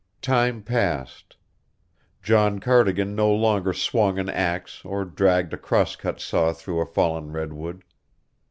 Time passed. John Cardigan no longer swung an axe or dragged a cross cut saw through a fallen redwood.